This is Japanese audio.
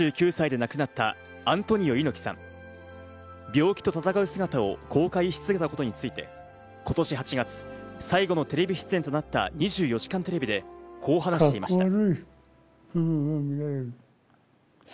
病気と闘う姿を公開し続けたことについて今年８月、最後のテレビ出演となった『２４時間テレビ』でこう話していました。